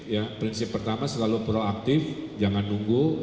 ya prinsip pertama selalu proaktif jangan nunggu